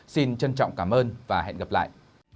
xin trân trọng cảm ơn và hẹn gặp lại